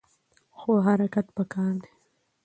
خو حرکت پکار دی.